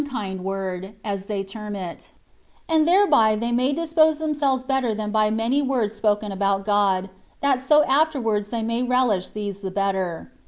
kind word/' as they term it ; and thereby they may dispose themselves better than by many words spoken about God, that so afterwards they may relish these the better.